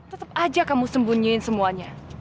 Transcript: tetap aja kamu sembunyiin semuanya